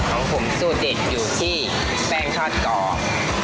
ของผมสูตรเด็ดอยู่ที่แป้งทอดกรอบ